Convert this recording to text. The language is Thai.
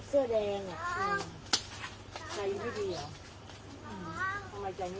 ขอทิ้งให้เห็นคุณภาพยังร้อย